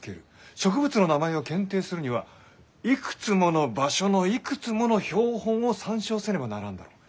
植物の名前を検定するにはいくつもの場所のいくつもの標本を参照せねばならんだろう？